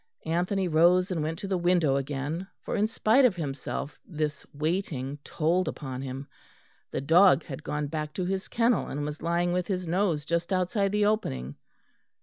Anthony rose and went to the window again, for, in spite of himself, this waiting told upon him. The dog had gone back to his kennel and was lying with his nose just outside the opening.